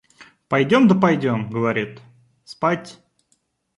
Пойдем да пойдем, говорит, спать.